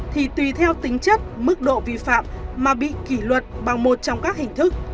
thì tùy theo tính chất mức độ vi phạm mà bị kỷ luật bằng một trong các hình thức